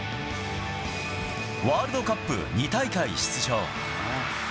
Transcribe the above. ワールドカップ２大会出場。